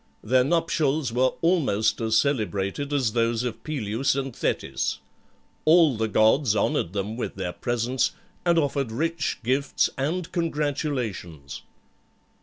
Their nuptials were almost as celebrated as those of Peleus and Thetis. All the gods honoured them with their presence, and offered rich gifts and congratulations.